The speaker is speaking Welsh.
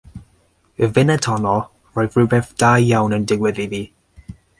Y funud honno roedd rhywbeth da iawn yn digwydd iddi.